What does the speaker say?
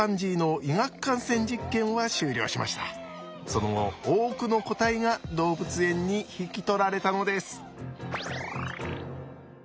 その後多くの個体が動物園に引き取られたのです。